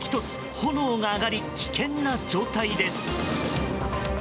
炎が上がり、危険な状態です。